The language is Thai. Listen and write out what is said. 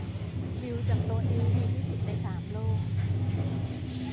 วิวจากโต๊ะนี้ดีที่สุดในสามโลก